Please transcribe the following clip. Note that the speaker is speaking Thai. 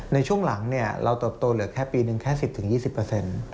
ในช่วงหลังเราเติบโตเหลือแค่ปีนึง๑๐๒๐